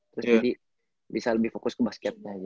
terus jadi bisa lebih fokus ke basketnya